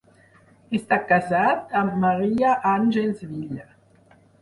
Està casat amb Maria Àngels Vila.